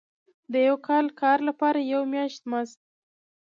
د یو کال کار لپاره یو میاشت مزد.